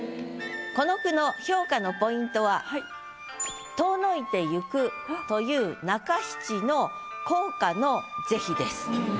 この句の評価のポイントは「遠のいてゆく」という中七の効果の是非です。